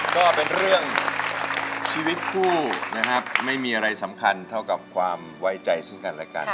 ก็เป็นเรื่องชีวิตคู่นะครับไม่มีอะไรสำคัญเท่ากับความไว้ใจซึ่งกันและกัน